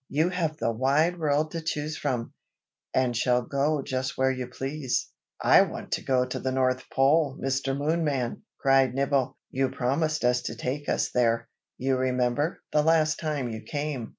"You have the wide world to choose from, und shall go just where you please." "I want to go to the North Pole, Mr. Moonman!" cried Nibble. "You promised us to take us there, you remember, the last time you came.